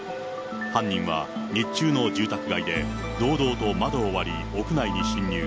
犯人は日中の住宅街で、堂々と窓を割り、屋内に侵入。